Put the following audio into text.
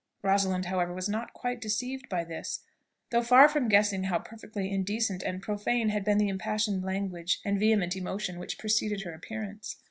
Rosalind, however, was not quite deceived by this, though far from guessing how perfectly indecent and profane had been the impassioned language and vehement emotion which preceded her appearance.